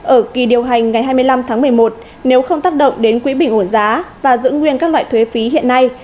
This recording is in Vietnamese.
ở kỳ điều hành ngày hai mươi năm tháng một mươi một nếu không tác động đến quỹ bình ổn giá và giữ nguyên các loại thuế phí hiện nay